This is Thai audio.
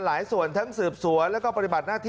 หลายส่วนทั้งสืบสวนแล้วก็ปฏิบัติหน้าที่